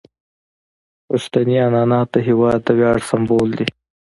پښتني عنعنات د هیواد د ویاړ سمبول دي.